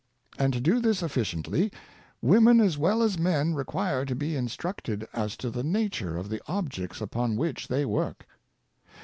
And to do this efficiently, women as well as men require to be in structed as to the nature of the objects upon which they work.